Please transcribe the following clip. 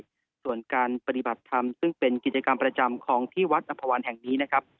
ส่วนการปฏิบัติธรรมซึ่งเป็นกิจกรรมประจำของที่วัดอำภาวันแห่งนี้นะครับ